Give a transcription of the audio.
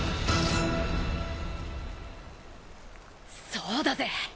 そうだぜ。